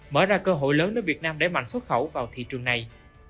mở ra cơ hội lớn để việt nam đẩy mạnh xuất khẩu vào thị trường này